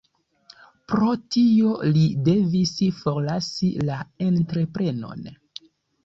Pro tio li devis forlasi la entreprenon.